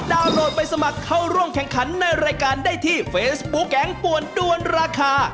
โหลดไปสมัครเข้าร่วมแข่งขันในรายการได้ที่เฟซบุ๊คแก๊งป่วนด้วนราคา